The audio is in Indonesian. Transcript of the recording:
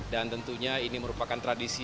dan tentunya ini merupakan tradisi